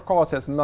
và rất tự hào